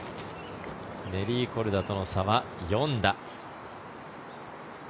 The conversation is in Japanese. ネリー・コルダとの差は４打。